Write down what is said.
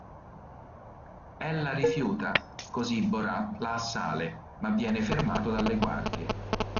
Ella rifiuta, così Borat la assale, ma viene fermato dalle guardie.